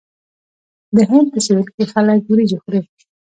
د هند په سویل کې خلک وریجې خوري.